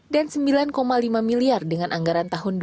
dan rp sembilan lima miliar dengan anggaran tahun dua ribu enam belas